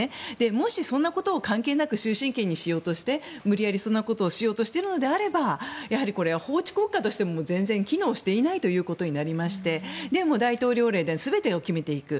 もし、そんなこと関係なく終身刑にしようとして無理やりそんなことをしようとしているのであればやはりこれは法治国家として全然機能していないということになりまして大統領令で全てを決めていく。